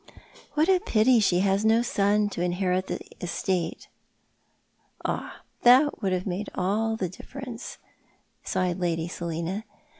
" What a pity she has no son to inherit the estate !"" Ah ! that would have made all the difference," sighed Lady Selina.